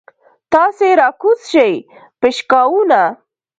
تاسې راکوز شئ پشکاوونه.